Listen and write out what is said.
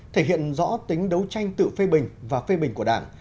thể hiện rõ tính đấu tranh tự phê bình và phê bình của đảng